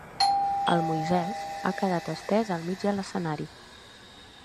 El Moisès ha quedat estès al mig de l'escenari.